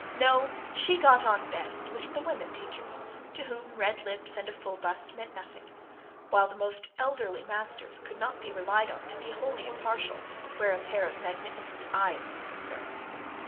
No, she got on best with the women teachers, to whom red lips and a full bust meant nothing; while the most elderly masters could not be relied on to be wholly impartial, where a pair of magnificent eyes was concerned.